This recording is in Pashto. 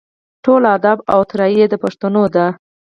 ټول اداب او اطوار یې د پښتنو دي.